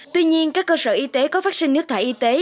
tuy nhiên các cơ sở y tế có phát sinh nước thải y tế